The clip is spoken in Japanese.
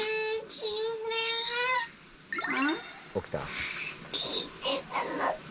「起きた？」